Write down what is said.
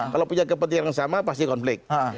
kalau punya kepentingan yang sama pasti konflik